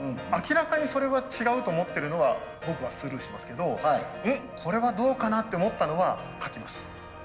明らかにそれは違うと思ってるのは僕はスルーしますけど「うん？これはどうかな」って思ったのは書きます。